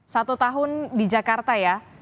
satu tahun di jakarta ya